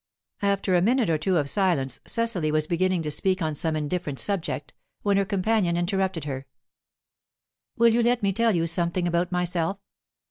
After a minute or two of silence, Cecily was beginning to speak on some indifferent subject, when her companion interrupted her. "Will you let me tell you something about myself?"